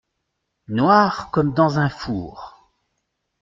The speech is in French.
Noir comme dans un four.